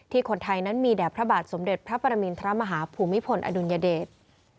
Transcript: คนไทยนั้นมีแด่พระบาทสมเด็จพระปรมินทรมาฮภูมิพลอดุลยเดช